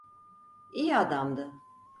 İyi adamdı.